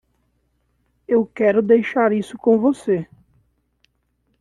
Eu quero deixar isso com você.